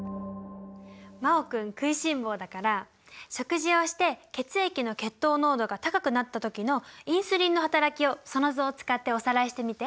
真旺君食いしん坊だから食事をして血液の血糖濃度が高くなった時のインスリンの働きをその図を使っておさらいしてみて。